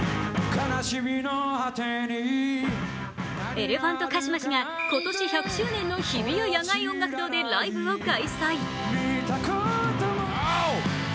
エレファントカシマシが今年１００周年の日比谷野外音楽堂でライブを開催。